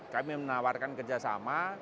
kami menawarkan kerjasama